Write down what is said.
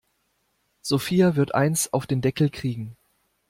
Sophia wird eins auf den Deckel kriegen.